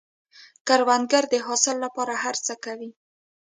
کروندګر د حاصل له پاره هر څه کوي